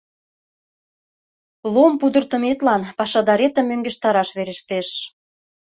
Лом пудыртыметлан пашадаретым мӧҥгештараш верештеш.